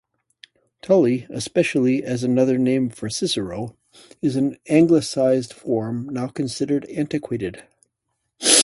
Tully, especially as another name for Cicero, is an anglicized form now considered antiquated.